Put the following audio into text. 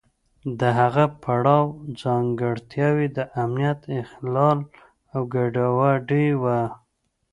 د هغه پړاو ځانګړتیاوې د امنیت اخلال او ګډوډي وه.